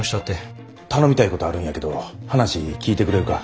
頼みたいことあるんやけど話聞いてくれるか？